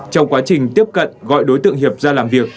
trong quá trình tiếp cận gọi đối tượng hiệp ra làm việc